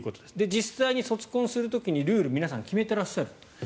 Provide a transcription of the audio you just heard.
実際に卒婚をする時にルールを皆さん決めていらっしゃる。